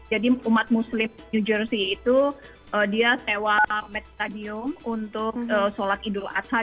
jadi umat muslim new jersey itu dia sewa met stadium untuk sholat idul adha